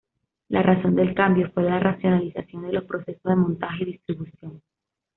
La razón del cambio fue la racionalización de los procesos de montaje y distribución.